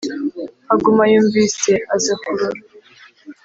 Haguma yumvise aza kurora;